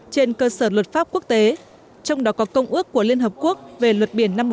trên cơ sở luật pháp quốc tế trong đó có công ước của liên hợp quốc về luật biển năm một nghìn chín trăm tám mươi hai